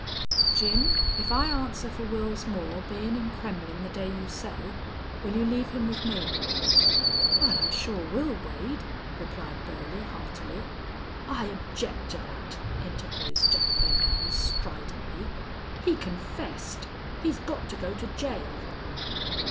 "Jim, if I answer fer Wils Moore bein' in Kremmlin' the day you say, will you leave him with me?" "Wal, I shore will, Wade," replied Burley, heartily. "I object to that," interposed Jack Belllounds, stridently. "He confessed. He's got to go to jail."